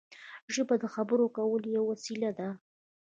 ژبه د خبرو کولو یوه وسیله ده.